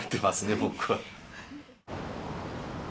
僕は。